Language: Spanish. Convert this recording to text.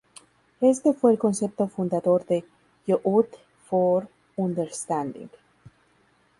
Este fue el concepto fundador de Youth for Understanding.